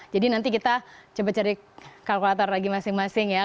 jadi nanti kita coba cari kalkulator lagi masing masing ya